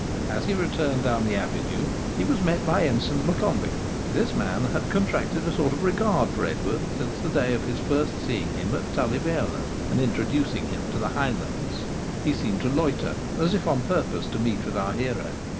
As he returned down the avenue he was met by Ensign Maccombich. This man had contracted a sort of regard for Edward since the day of his first seeing him at Tully Veolan and introducing him to the Highlands. He seemed to loiter, as if on purpose to meet with our hero.